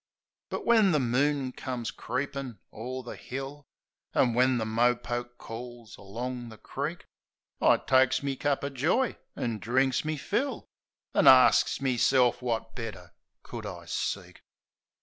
But when the moon comes creepin' o'er the hill, An' when the mopoke calls along the creek, I takes me cup o' joy an' drinks me fill. An' arsts meself wot better could I seek.